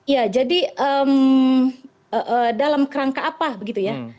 ya jadi dalam kerangka apa begitu ya